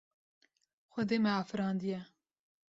Xwedê me afirandiye.